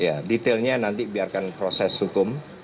ya detailnya nanti biarkan proses hukum